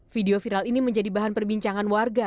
video viral ini menjadi bahan perbincangan warga